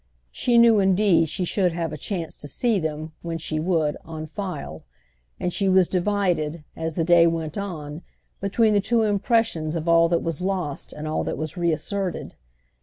She knew indeed she should have a chance to see them, when she would, on file; and she was divided, as the day went on, between the two impressions of all that was lost and all that was re asserted.